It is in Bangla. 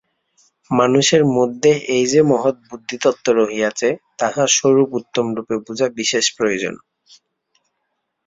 মানুষের মধ্যে এই যে মহৎ বুদ্ধিতত্ত্ব রহিয়াছে, তাহার স্বরূপ উত্তমরূপে বুঝা বিশেষ প্রয়োজন।